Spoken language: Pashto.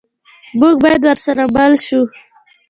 موږ باید ورسره مل شو.